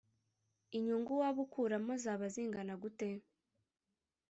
Inyungu waba ukuramo zaba zingana gute